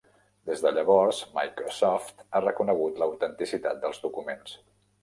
Des de llavors, Microsoft ha reconegut l'autenticitat dels documents.